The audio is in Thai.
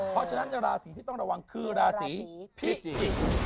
เพราะฉะนั้นราศีที่ต้องระวังคือราศีพิจิกษ์